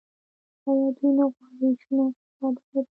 آیا دوی نه غواړي شنه اقتصاد ولري؟